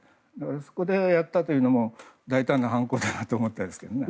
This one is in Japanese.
そこでやったというのも大胆な犯行だなと思ったんですけどね。